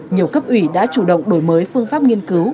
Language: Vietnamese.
nhiều cấp ủy đã chủ động đổi mới phương pháp nghiên cứu